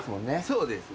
そうですね。